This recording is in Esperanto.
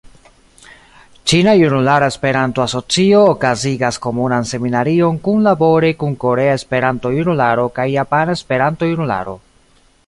Ĉina Junulara Esperanto-Asocio okazigas Komunan Seminarion kunlabore kun Korea Esperanto-Junularo kaj Japana Esperanto-Junularo.